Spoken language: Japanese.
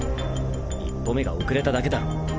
一歩目が遅れただけだろ。